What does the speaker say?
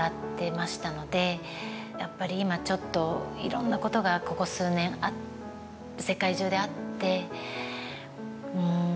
やっぱり今ちょっといろんなことがここ数年世界中であって。